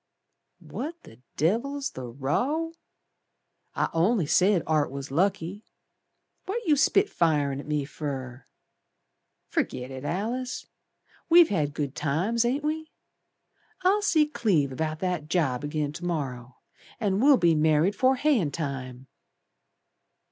"What the Devil's the row? I only said Art was lucky. What you spitfirin' at me fer? Ferget it, Alice. We've had good times, ain't we? I'll see Cleve 'bout that job agin to morrer, And we'll be married 'fore hayin' time."